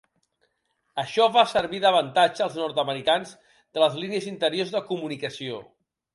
Això va servir d'avantatge als nord-americans de les línies interiors de comunicació.